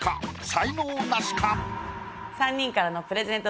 才能ナシか？